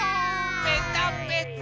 ぺたぺた。